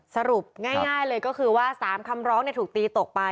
สรุปง่ายเลยก็คือว่า๓คำร้องถูกตีตกไป